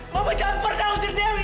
mama jangan pernah usir dewi